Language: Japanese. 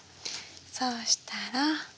そうしたら。